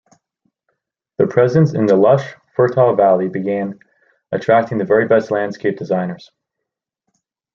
Their presence in the lush, fertile valley began attracting the very best landscape designers.